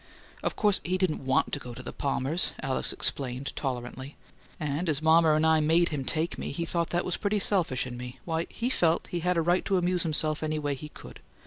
"Of course he didn't want to go to the Palmers'," Alice explained, tolerantly "and as mama and I made him take me, and he thought that was pretty selfish in me, why, he felt he had a right to amuse himself any way he could.